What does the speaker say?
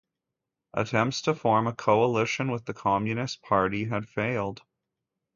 Attempts to form a coalition with the Communist Party had failed.